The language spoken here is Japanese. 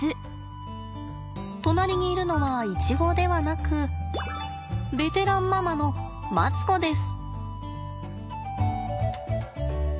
隣にいるのはイチゴではなくベテランママのマツコです。